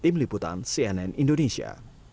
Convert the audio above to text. tim liputan cnn indonesia